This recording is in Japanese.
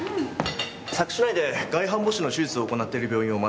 佐久市内で外反母趾の手術を行っている病院を回ってきました。